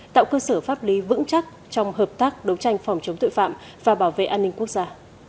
tạo cơ sở pháp lý vững chắc trong hợp tác đấu tranh phòng chống tội phạm và bảo vệ an ninh quốc gia